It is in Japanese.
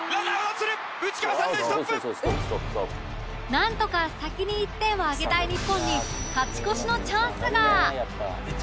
なんとか先に１点を挙げたい日本に勝ち越しのチャンスが！